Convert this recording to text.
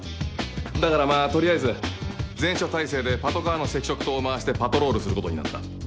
だからまぁ取りあえず全署態勢でパトカーの赤色灯を回してパトロールすることになった。